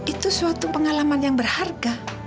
itu suatu pengalaman yang berharga